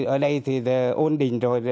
ở đây thì ổn định rồi